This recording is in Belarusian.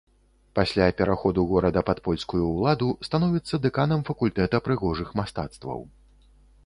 Пасля пераходу горада пад польскую ўладу становіцца дэканам факультэта прыгожых мастацтваў.